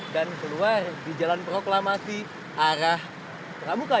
dan keluar di jalan proklamasi arah pramuka